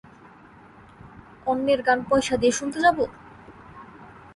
অন্যের গান পয়সা দিয়ে শুনতে যাব?